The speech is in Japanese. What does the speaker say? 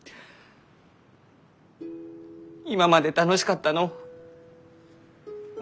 今まで楽しかったのう。